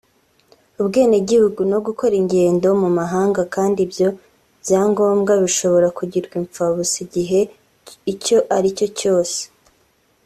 ubwenegihugu no gukora ingendo mu mahanga kandi ibyo byangombwa bishobora kugirwa impfabusa igihe icyo ari cyo cyose